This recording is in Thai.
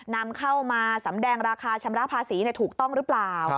นำเข้ามาสำแดงราคาชำระภาษีถูกต้องหรือเปล่า